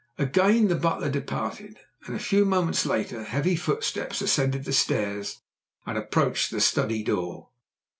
Again the butler departed, and a few moments later heavy footsteps ascended the stairs and approached the study door.